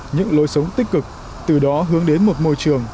những lối sống tích cực từ đó hướng đến một môi trường